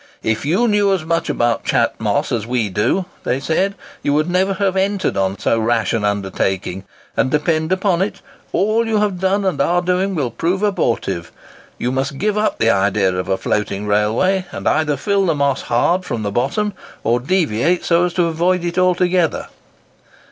"If you knew as much about Chat Moss as we do," they said, "you would never have entered on so rash an undertaking; and depend upon it, all you have done and are doing will prove abortive. You must give up the idea of a floating railway, and either fill the Moss hard from the bottom, or deviate so as to avoid it altogether."